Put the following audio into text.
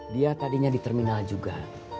dia tadinya di terminal juga